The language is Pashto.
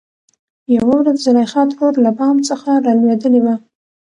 يوه ورځ زليخا ترور له بام څخه رالوېدلې وه .